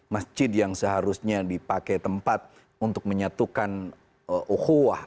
masjid yang seharusnya dipakai tempat untuk menyatukan uhuah